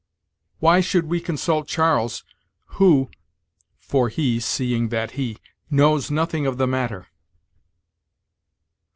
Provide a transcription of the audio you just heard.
'Why should we consult Charles, who (for he, seeing that he) knows nothing of the matter?'